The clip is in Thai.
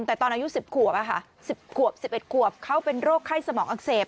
แต่ตอนอายุ๑๐ขวบ๑๐ขวบ๑๑ขวบเขาเป็นโรคไข้สมองอักเสบ